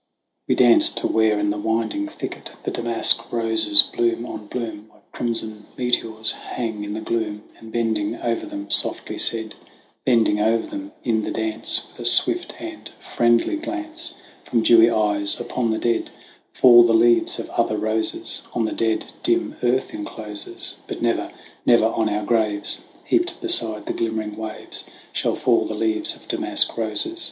We danced to where in the winding thicket The damask roses, bloom on bloom, Like crimson meteors hang in the gloom And bending over them softly said, Bending over them in the dance With a swift and friendly glance From dewy eyes :" Upon the dead THE WANDERINGS OF OISIN 87 Fall the leaves of other roses, On the dead dim earth encloses : But never, never on our graves, Heaped beside the glimmering waves, Shall fall the leaves of damask roses.